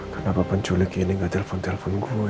kenapa penculik ini gak telpon telpon gua ya